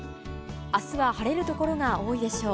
あすは晴れる所が多いでしょう。